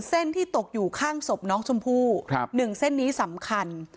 เส้นที่ตกอยู่ข้างศพน้องชมพู่๑เส้นนี้สำคัญ